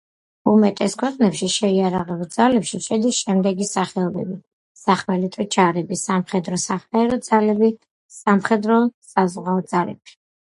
უმეტეს ქვეყნებში შეიარაღებულ ძალებში შედის შემდეგი სახეობები: სახმელეთო ჯარები, სამხედრო-საჰაერო ძალები და სამხედრო-საზღვაო ძალები.